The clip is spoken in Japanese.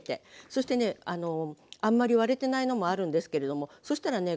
そしてねあんまり割れてないのもあるんですけれどもそしたらね